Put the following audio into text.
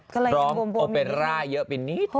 พร้อมโอเปร่าเยอะไปนิด